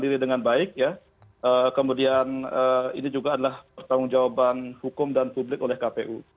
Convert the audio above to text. diri dengan baik ya kemudian ini juga adalah pertanggung jawaban hukum dan publik oleh kpu